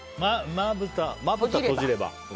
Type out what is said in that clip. まぶた閉じれば？